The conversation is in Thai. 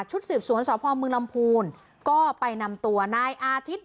สืบสวนสพมลำพูนก็ไปนำตัวนายอาทิตย์